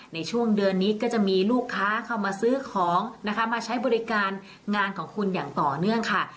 ในช่วงเดือนนี้ก็จะมีลูกค้าเข้ามาซื้อของนะคะมาใช้บริการงานของคุณอย่างต่อเนื่องค่ะ